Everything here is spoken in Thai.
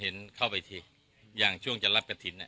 เห็นเข้าไปที่อย่างช่วงจะหลักกะทิน